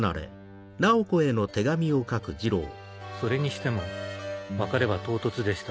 それにしても別れは唐突でした